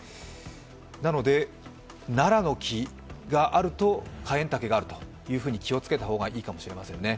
なのでナラの木があるとカエンタケがあるというふうに気をつけた方がいいかもしれませんね。